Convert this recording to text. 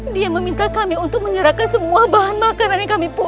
dia meminta kami untuk menyerahkan semua bahan makanan yang kami punya